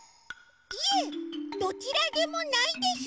いえどちらでもないです。